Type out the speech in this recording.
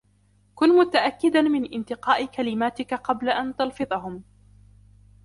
كن متأكدا من انتقاء كلامتك قبل أن تلفظهم.